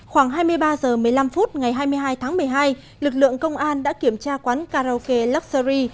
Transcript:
khoảng hai mươi ba h một mươi năm phút ngày hai mươi hai tháng một mươi hai lực lượng công an đã kiểm tra quán karaoke luxury